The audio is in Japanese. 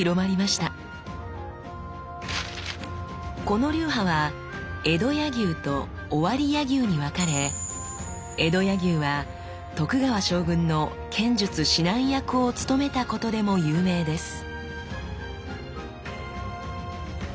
この流派は江戸柳生と尾張柳生に分かれ江戸柳生は徳川将軍の剣術指南役を務めたことでも有名です。